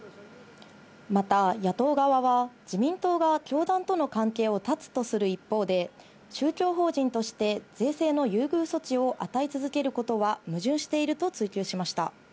また野党側は、自民党が教団との関係を断つとする一方で、宗教法人として税制の優遇措置を与え続けることは矛盾していると追及しました。